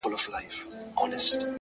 هره پوښتنه نوی امکان راپیدا کوي!